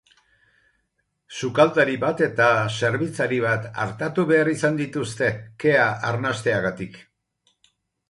Sukaldari bat eta zerbitzari bat artatu behar izan dituzte, kea arnasteagatik.